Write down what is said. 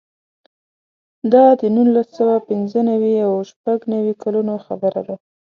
دا د نولس سوه پنځه نوي او شپږ نوي کلونو خبره ده.